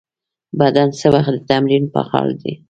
بدن څه وخت د تمرین پر مهال